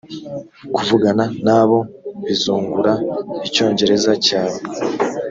kuvugana nabo bizungura icyongereza cyawe